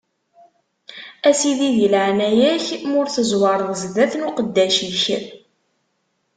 A sidi, di leɛnaya-k, ma ur tezwareḍ zdat n uqeddac-ik.